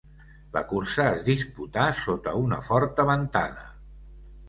La cursa es disputà sota una forta ventada.